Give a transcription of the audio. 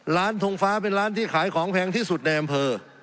ทงฟ้าเป็นร้านที่ขายของแพงที่สุดในอำเภอ